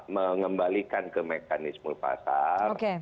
mengembalikan ke mekanisme pasar